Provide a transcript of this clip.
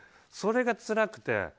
それがつらくて。